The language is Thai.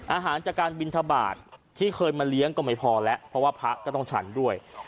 อาหารจากการบินทบาทที่เคยมาเลี้ยงก็ไม่พอแล้วเพราะว่าพระก็ต้องฉันด้วย